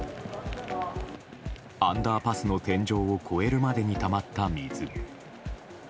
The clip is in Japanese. アンダーパスの天井を越えるまでにたまった水。